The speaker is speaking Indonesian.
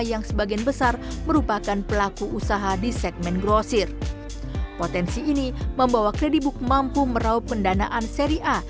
yang sebagian besar merupakan pelaku usaha di segmen grosir potensi ini membawa kredibook mampu merauh pendanaan seri a